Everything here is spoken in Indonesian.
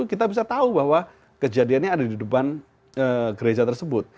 kita bisa tahu bahwa kejadiannya ada di depan gereja tersebut